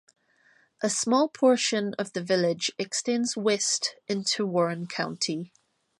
A small portion of the village extends west into Warren County.